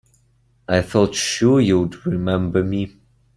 I thought sure you'd remember me.